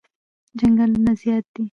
چنگلونه زیاد دی